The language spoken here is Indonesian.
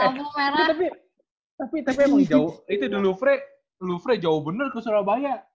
tapi emang itu di lovre jauh bener ke surabaya